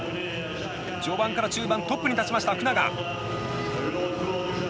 序盤から中盤トップに立ちました福永。